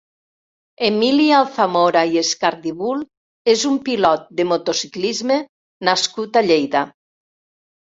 Emili Alzamora i Escardibul és un pilot de motociclisme nascut a Lleida.